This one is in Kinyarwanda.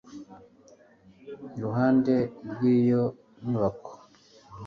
iruhande rwiyo nyubako